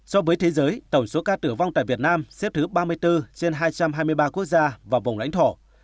so với thế giới tổng số ca tử vong tại việt nam xếp thứ ba mươi bốn trên hai trăm hai mươi ba quốc gia và vùng lãnh thổ